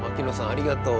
ありがとう。